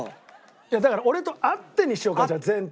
だから「俺と会って」にしようかじゃあ前提。